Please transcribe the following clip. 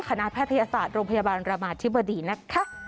คณะแพทยศาสตร์โรงพยาบาลอันตรมาธิบดีนะคะ